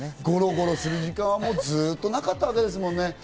ゴロゴロする時間、ずっとなかったわけですもんね。